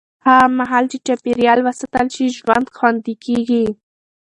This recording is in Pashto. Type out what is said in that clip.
هغه مهال چې چاپېریال وساتل شي، ژوند خوندي کېږي.